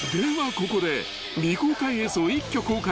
ここで未公開映像一挙公開